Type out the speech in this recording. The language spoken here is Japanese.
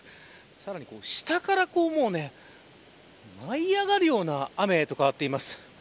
さらに下から舞い上がるような雨へと変わっています。